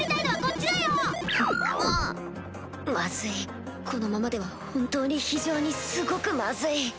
まずいこのままでは本当に非常にすごくまずい